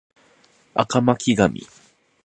赤巻紙